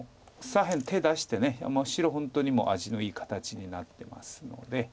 左辺手出して白本当にもう味のいい形になってますので。